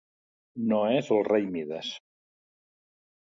No és el rei Mides.